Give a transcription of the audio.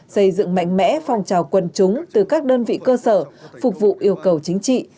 xây dựng mạnh mẽ phong trào quân chúng từ các đơn vị cơ sở phục vụ yêu cầu chính trị